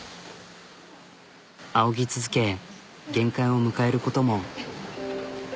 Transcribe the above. あおぎ続け限界を迎えることも。